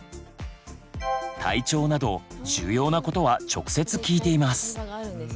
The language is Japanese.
体調など重要なことは直接聞いています。